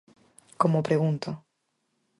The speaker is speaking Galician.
Como a pregunta.